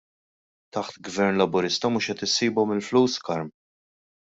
Taħt Gvern Laburista mhux qed isibhom il-flus, Karm?